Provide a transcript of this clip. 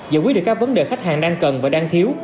giải quyết được các vấn đề khách hàng đang cần và đang thiếu